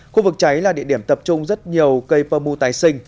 khu vực cháy là địa điểm tập trung rất nhiều cây pơ mu tái sinh